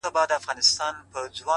څومره چي يې مينه كړه ـ